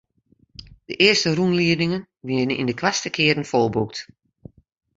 De earste rûnliedingen wiene yn de koartste kearen folboekt.